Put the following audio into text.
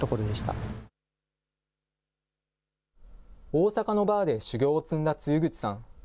大阪のバーで修業を積んだ露口さん。